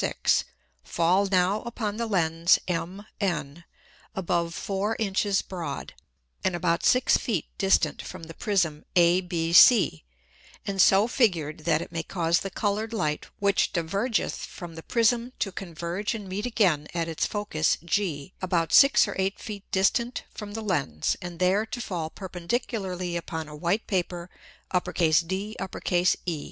_ 6.] fall now upon the Lens MN above four Inches broad, and about six Feet distant from the Prism ABC and so figured that it may cause the coloured Light which divergeth from the Prism to converge and meet again at its Focus G, about six or eight Feet distant from the Lens, and there to fall perpendicularly upon a white Paper DE.